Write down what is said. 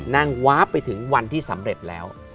นั่งว้าไปถึงวันที่สำเร็จแล้ว